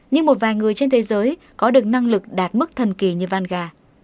nhưng một vài người trên thế giới có được năng lực đạt mức thần kỳ như vanga